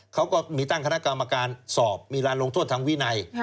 เขาก็มีตั้งคณะกรรมการสอบมีการลงโทษทางวินัย